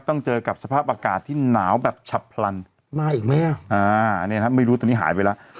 เจอกับสภาพอากาศที่หนาวแบบฉับพลันมาอีกไหมอ่ะอ่านี่ครับไม่รู้ตอนนี้หายไปแล้ว